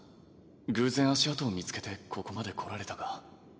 偶然足跡を見つけてここまで来られたが。